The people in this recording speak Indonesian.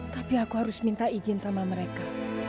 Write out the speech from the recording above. tapi aku harus minta izin sama mereka